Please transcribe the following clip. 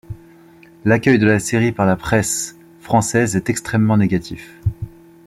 L'accueil de la série par la presse française est extrêmement négatif.